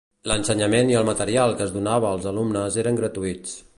L'ensenyament i el material que es donava als alumnes eren gratuïts.